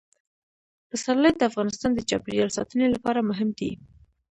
پسرلی د افغانستان د چاپیریال ساتنې لپاره مهم دي.